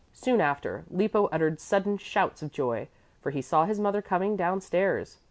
Soon after, Lippo uttered sudden shouts of joy, for he saw his mother coming downstairs.